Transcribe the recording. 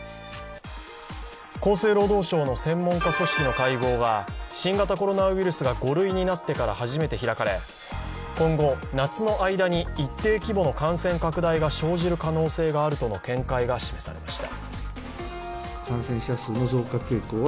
厚生労働省の専門家組織の会合が、新型コロナウイルスが５類になってから初めて開かれ今後、夏の間に一定規模の感染拡大が生じる可能性があるとの見解が示されました。